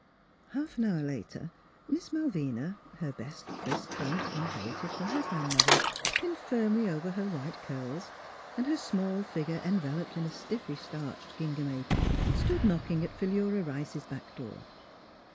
Half an hour later Miss Malvina, her best frizzed front (inherited from her grandmother) pinned firmly over her white curls and her small figure enveloped in a stiffly starched gingham apron, stood knocking at Philura Rice's back door.